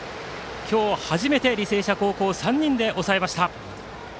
今日初めて履正社高校を３人で抑えました。